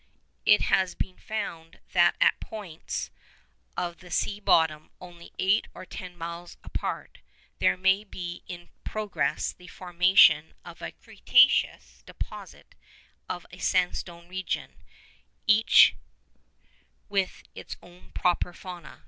It has been found that at points of the sea bottom only eight or ten miles apart, there may be in progress the formation of a cretaceous deposit and of a sandstone region, each with its own proper fauna.